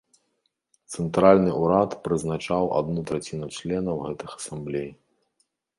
Цэнтральны ўрад прызначаў адну траціну членаў гэтых асамблей.